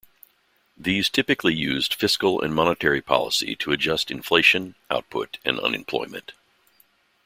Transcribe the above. These typically used fiscal and monetary policy to adjust inflation, output and unemployment.